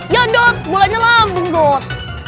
ya dot bolanya lambung dot